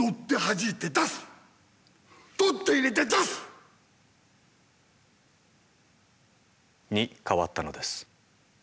取って入れて出す！に変わったのです。